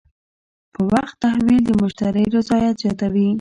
په وخت تحویل د مشتری رضایت زیاتوي.